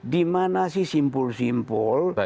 dimana sih simpul simpul